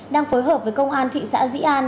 đang phối hợp với công an thị xã dĩ an